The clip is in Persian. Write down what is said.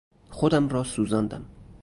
خودم را سوزاندم.